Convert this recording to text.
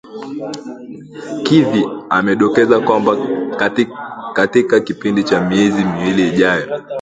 Kithi amedokeza kwamba katika kipindi cha miezi miwili ijayo